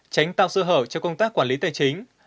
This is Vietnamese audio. tránh tạo sơ hở cho công tác quản lý tài chính